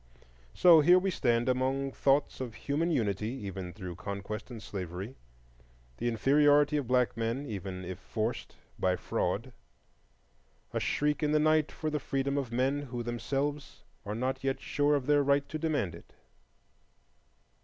So here we stand among thoughts of human unity, even through conquest and slavery; the inferiority of black men, even if forced by fraud; a shriek in the night for the freedom of men who themselves are not yet sure of their right to demand it.